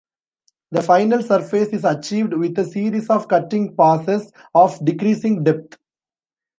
The final surface is achieved with a series of cutting passes of decreasing depth.